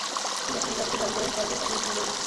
যখন আমরা আর কিছু জানতে পারবো, তখন আপনাক বলব।